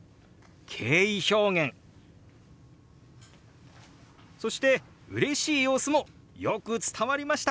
敬意表現そしてうれしい様子もよく伝わりました。